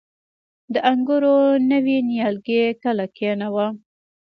د انګورو نوي نیالګي کله کینوم؟